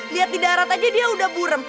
liat di daerah tadi dia udah burem